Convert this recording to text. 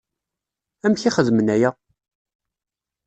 Amek i xedmen aya?